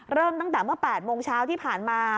เริ่มตั้งแต่เมื่อ๘โมงเช้าที่ผ่านมา